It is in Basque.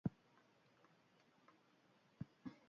Rockak ere itzulera garrantzitsuak dakartza.